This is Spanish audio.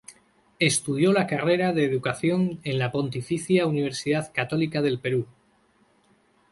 Estudió la carrera de Educación en la Pontificia Universidad Católica del Perú.